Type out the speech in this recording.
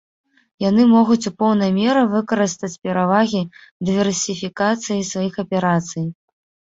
Яны могуць у поўнай меры выкарыстаць перавагі дыверсіфікацыі сваіх аперацый.